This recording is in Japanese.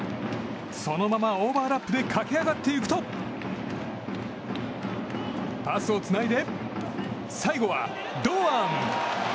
そのままオーバーラップで駆け上がっていくとパスをつないで最後は、堂安！